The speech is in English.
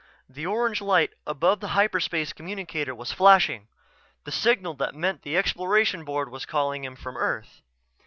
The orange light above the hyperspace communicator was flashing; the signal that meant the Exploration Board was calling him from Earth.